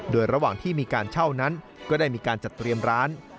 โดยระหว่างที่มีการเช่านั้นก็ได้มีการจัดเตรียมร้าน